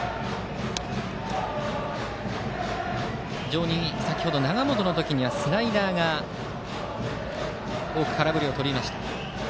非常に先程永本の時にはスライダーで多く空振りをとっていました。